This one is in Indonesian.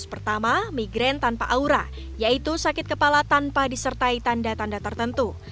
pertama migraine tanpa aura yaitu sakit kepala tanpa disertai tanda tanda tertentu